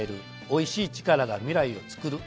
「おいしい力が、未来を創る。